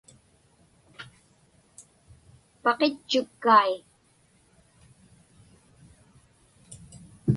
Paqitchukkai.